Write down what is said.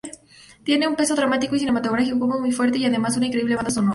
Tiene un peso dramático y cinematográfico muy fuerte y además una increíble banda sonora"".